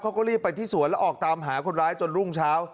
เขาก็รีบไปที่สวนแล้วออกตามหาคนร้ายจนรุ่งเช้า